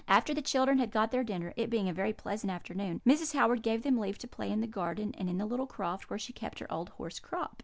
"After the children had got their dinner, it being a very pleasant afternoon, Mrs. Howard gave them leave to play in the garden, and in the little croft, where she kept her old horse Crop.